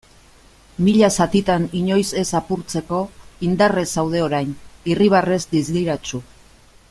Mila zatitan inoiz ez apurtzeko, indarrez zaude orain, irribarrez distiratsu.